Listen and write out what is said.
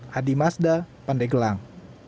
hadi mazda pandeglang